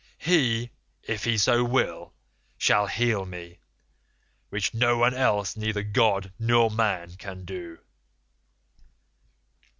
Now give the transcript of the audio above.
He, if he so will, shall heal me, which no one else neither god nor man can do.